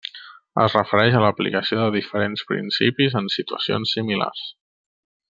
Es refereix a l'aplicació de diferents principis en situacions similars.